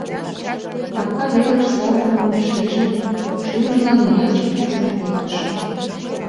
Капка велыш савырнымым шижын, шӱмжылан йыч чучын колтыш.